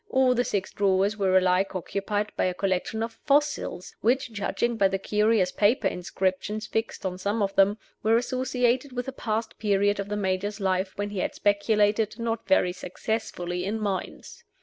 All the six drawers were alike occupied by a collection of fossils, which (judging by the curious paper inscriptions fixed on some of them) were associated with a past period of the Major's life when he had speculated, not very successfully in mines.